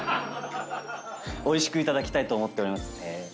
おいしくいただきたいと思っております。